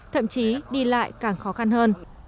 thậm chí đi lại càng khó khăn hơn